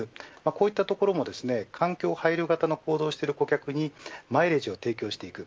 こういったところも環境配慮型の行動をしている顧客にマイレージを提供していく。